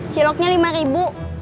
ciloknya rp lima ribu